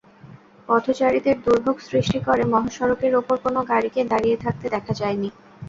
পথচারীদের দুর্ভোগ সৃষ্টি করে মহাসড়কের ওপর কোনো গাড়িকে দাঁড়িয়ে থাকতে দেখা যায়নি।